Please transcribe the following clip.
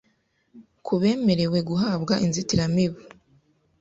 ku bemerewe guhabwa inzitiramibu ,